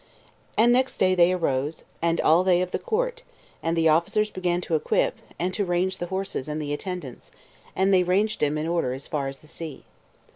And next day they arose, and all they of the court, and the officers began to equip, and to range the horses and the attendants, and they ranged them in order as far as the sea.